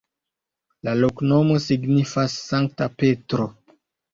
La loknomo signifas: Sankta Petro.